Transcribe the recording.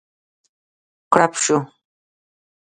کړپ شو.